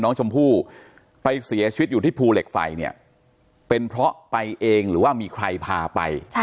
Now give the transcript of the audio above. น้องชมพู่ไปเสียชีวิตอยู่ที่ภูเหล็กไฟเนี่ยเป็นเพราะไปเองหรือว่ามีใครพาไป